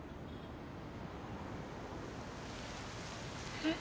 えっ？